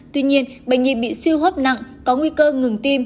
tuy nhiên bệnh nhi bị suy hô hấp nặng có nguy cơ ngừng tim